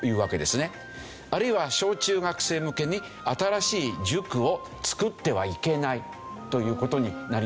あるいは小・中学生向けに新しい塾を作ってはいけないという事になりました。